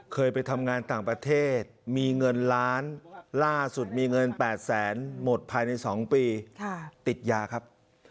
เคยไปทำงานต่างประเทศมีเงินล้านล่าสุดมีเงิน๘แสนหมดภายใน๒ปีติดยาครับ